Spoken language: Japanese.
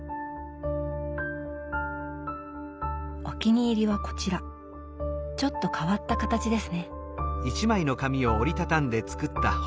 お気に入りはこちらちょっと変わった形ですね。